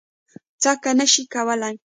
څکه نه شي کولی.